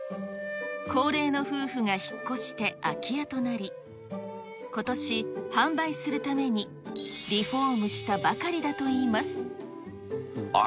高齢の夫婦が引っ越して空き家となり、ことし、販売するためにリフォームしたばかりだといいます。